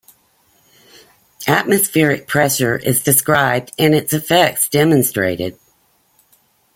Atmospheric pressure is described and its effects demonstrated.